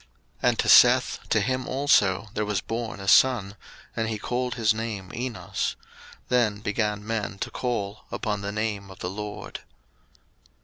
01:004:026 And to Seth, to him also there was born a son; and he called his name Enos: then began men to call upon the name of the LORD.